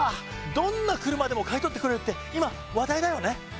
どんな車でも買い取ってくれるって今話題だよね。